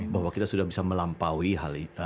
bahwa kita sudah bisa melampaui